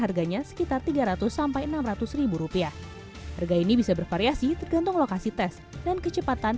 harganya sekitar tiga ratus sampai enam ratus rupiah harga ini bisa bervariasi tergantung lokasi tes dan kecepatan